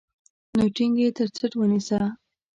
نو ټينګ يې تر څټ ونيسه.